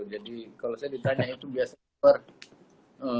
jadi kalau saya ditanya itu biasa